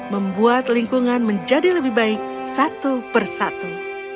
membuat lingkungan menjadi lebih baik satu persatu